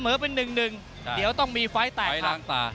เสมอเป็นหนึ่งหนึ่งเดี๋ยวต้องมีไฟล์แตกครับไฟล์ล้างตา